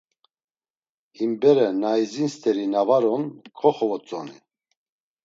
Him bere na izin st̆eri na var on koxovotzoni.